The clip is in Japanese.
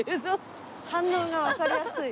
反応がわかりやすい。